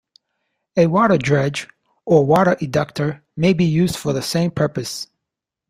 A water dredge or water eductor may be used for the same purpose.